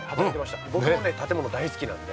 僕もね建物大好きなんで。